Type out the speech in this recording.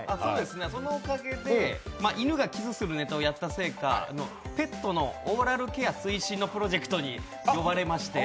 そのおかげで、いぬがキスするネタをやったせいかペットのオーラルケア推進のプロジェクトに呼ばれまして。